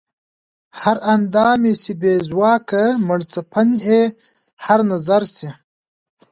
هر اندام ئې شي بې ژواکه مړڅپن ئې هر نظر شي